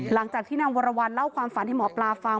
หลังจากที่นางวรวรรณเล่าความฝันให้หมอปลาฟัง